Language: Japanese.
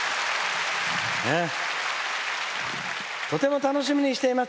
とても楽しみにしています。